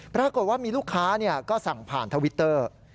ปรากฏว่ามีลูกค้าก็สั่งผ่านทวิตเตอร์